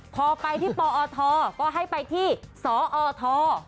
พอไปที่ปอทก็ให้ไปที่สอท